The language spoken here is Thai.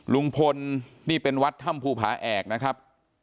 ลุงพลนี่เป็นวัดถ้ำภูผาแอกนะครับ